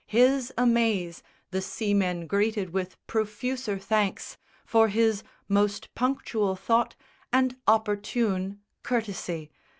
His amaze The seamen greeted with profuser thanks For his most punctual thought and opportune Courtesy.